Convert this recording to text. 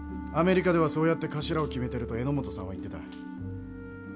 アメリカではそうやって頭を決めてると榎本さんは言ってた。